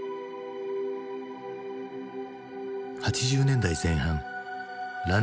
８０年代前半らん